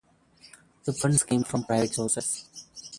The funds came from private sources.